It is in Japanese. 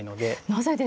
なぜですか。